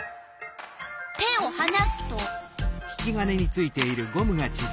手をはなすと？